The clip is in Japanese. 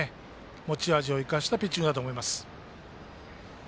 持ち味を生かしたピッチングだと思います。